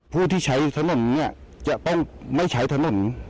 ผู้ที่ใช้ถนนเนี่ยจะต้องไม่ใช้ถนน